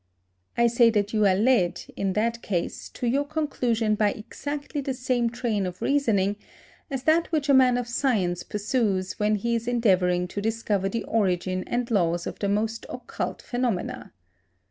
I say that you are led, in that case, to your conclusion by exactly the same train of reasoning as that which a man of science pursues when he is endeavouring to discover the origin and laws of the most occult phenomena.